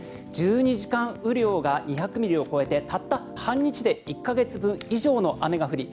１２時間雨量が２００ミリを超えてたった半日で１か月分以上の雨が降り